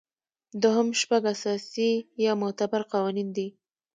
دوهم شپږ اساسي یا معتبر قوانین دي.